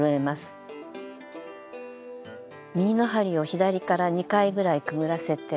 右の針を左から２回ぐらいくぐらせて引き締めます。